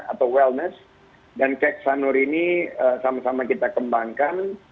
atau wellness dan kek sanur ini sama sama kita kembangkan